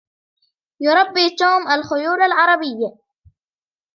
يربي توم الخيول العربية.